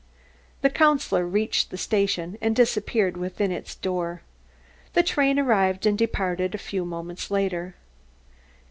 The Councillor reached the station and disappeared within its door. The train arrived and departed a few moments later.